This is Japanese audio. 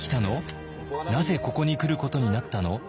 「なぜここに来ることになったの？」